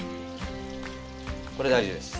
これ大事です。